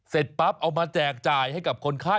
ปั๊บเอามาแจกจ่ายให้กับคนไข้